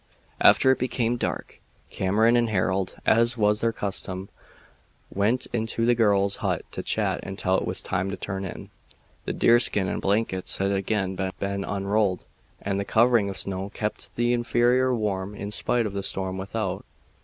After it became dark Cameron and Harold, as was their custom, went into the girls' hut to chat until it was time to turn in. The deerskin and blankets had again been unrolled, and the covering of snow kept the interior warm in spite of the storm without.